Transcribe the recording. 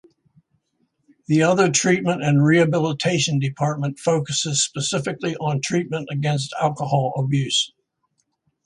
The other treatment and rehabilitation department focus specifically on treatment against alcohol abuse.